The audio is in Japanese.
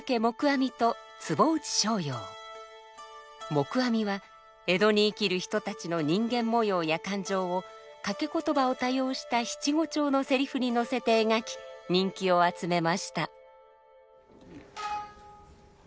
黙阿弥は江戸に生きる人たちの人間模様や感情を掛詞を多用した七五調のセリフにのせて描き人気を集めました。